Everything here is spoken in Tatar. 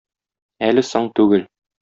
Әле соң түгел...